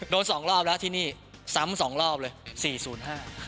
โดด๒รอบแล้วที่นี่ซ้ำ๒รอบเลย